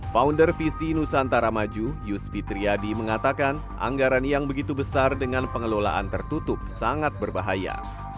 founder visi nusantara maju yus fitriyadi mengatakan anggaran yang begitu besar dengan pengelolaan tertutup sangat berbahaya